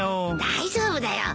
大丈夫だよ。